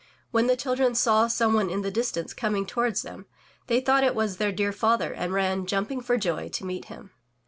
When the children saw some one in the distance coming toward them, they thought it was their dear father and ran, jumping for joy, to meet him.